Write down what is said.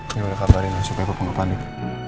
ya udah kabarin aja supaya papa ngepanin